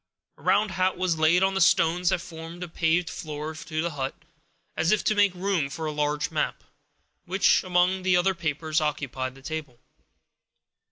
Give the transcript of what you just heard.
A round hat was laid on the stones that formed a paved floor to the hut, as if to make room for a large map, which, among the other papers, occupied the table.